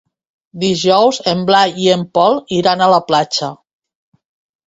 Dijous en Blai i en Pol iran a la platja.